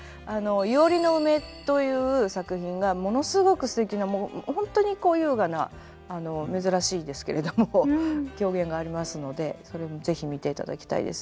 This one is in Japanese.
「庵の梅」という作品がものすごくすてきなもうホントにこう優雅な珍しいですけれども狂言がありますのでそれも是非見ていただきたいです。